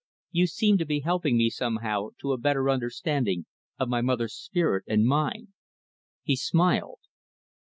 You seem to be helping me, somehow, to a better understanding of my mother's spirit and mind." He smiled.